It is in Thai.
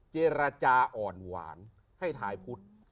เจรจาอ่อนหวานให้ทายพุทธ